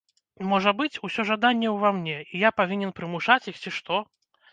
Можа быць, усё жаданне ў ва мне, і я павінен прымушаць іх ці што?